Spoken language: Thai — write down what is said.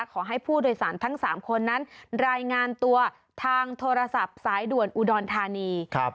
ขอให้ผู้โดยสารทั้ง๓คนนั้นรายงานตัวทางโทรศัพท์สายด่วนอุดรธานี